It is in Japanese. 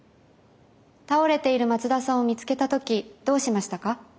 倒れている松田さんを見つけた時どうしましたか？